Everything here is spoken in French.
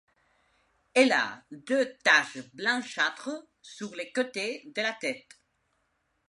Elle a deux taches blanchâtres sur le côté de la tête.